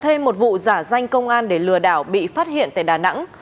thêm một vụ giả danh công an để lừa đảo bị phát hiện tại đà nẵng